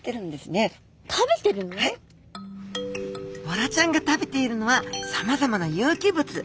ボラちゃんが食べているのはさまざまな有機物。